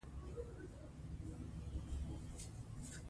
سندرې ویل د ذهن ظرفیت لوړوي.